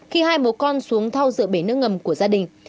khi hai mồ con xuống thao dựa bể nước ngầm của gia đình